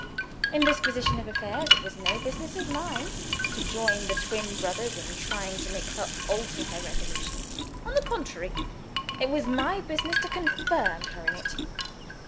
In this position of affairs, it was no business of mine to join the twin brothers in trying to make her alter her resolution. On the contrary, it was my business to confirm her in it.